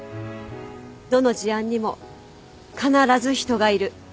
どの事案にも必ず人がいる。